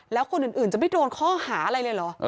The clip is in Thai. แล้วคนอื่นจะไม่โดนข้อหาอะไรเลยเหรอ